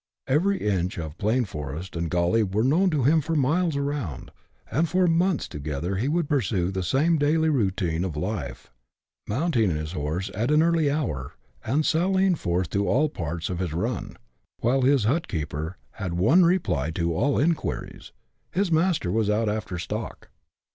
Every inch of plain, forest, and gully was known to him for miles round, and for months together he would pursue the same daily routine of life, mounting his horse at an early hour and sallying forth to all parts of liis " run ;" while his " hut keeper " had one reply to all inquiries —" his master was out after stock."